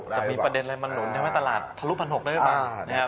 จะมีประเด็นอะไรมาหนุนทำให้ตลาดทะลุ๑๖๐๐ได้หรือเปล่านะครับ